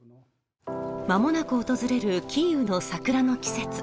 間もなく訪れるキーウの桜の季節。